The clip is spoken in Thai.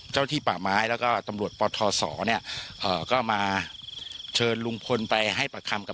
เจ้าที่ป่าไม้แล้วก็ตำรวจปทศเนี่ยเอ่อก็มาเชิญลุงพลไปให้ปากคำกับ